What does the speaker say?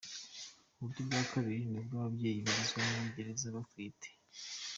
Uburyo bwa kabiri ni ubw’ababyeyi bagezwa muri gereza batwite.